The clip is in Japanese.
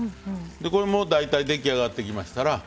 これ、もう大体出来上がってきましたら